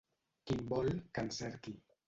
Qui en vol, que en cerqui.